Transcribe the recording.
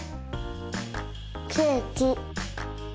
ケーキ。